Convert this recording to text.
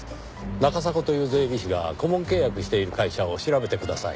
中迫という税理士が顧問契約している会社を調べてください。